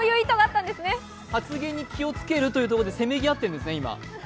発言に気をつけるということでせめぎ合ってるんですね。